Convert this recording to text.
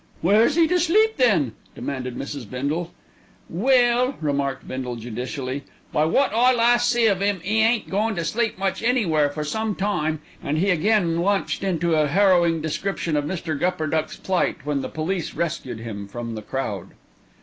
"Where's he to sleep then?" demanded Mrs. Bindle. "Well," remarked Bindle judicially, "by wot I last see of 'im, 'e ain't goin' to sleep much anywhere for some time"; and he again launched into a harrowing description of Mr. Gupperduck's plight when the police rescued him from the crowd.